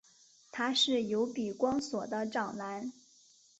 他是由比光索的长男。